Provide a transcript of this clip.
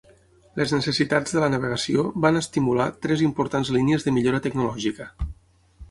Les necessitats de la navegació van estimular tres importants línies de millora tecnològica.